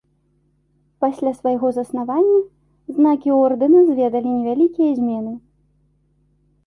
Пасля свайго заснавання знакі ордэна зведалі невялікія змены.